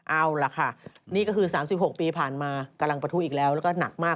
เอาล่ะค่ะนี่ก็คือ๓๖ปีผ่านมากำลังประทุอีกแล้วแล้วก็หนักมาก